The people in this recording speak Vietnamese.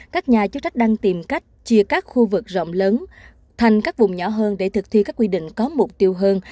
các nhà chức trách đang tìm cách chia các khu vực rộng lớn thành các vùng nhỏ hơn để thực thi các quy định có mục tiêu hơn